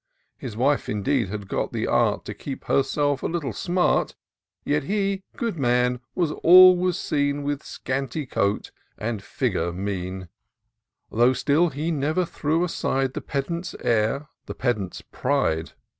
His wife, indeed, had got the art. To keep herself a little smart. Yet he, good man, was always seen With scanty coat and figure mean ; Though still he never threw aside The pedant's air — the pedant's pride.